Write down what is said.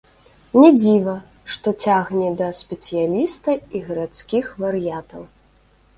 Не дзіва, што цягне да спецыяліста і гарадскіх вар'ятаў.